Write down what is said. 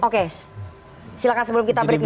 oke silahkan sebelum kita break nih mas hasan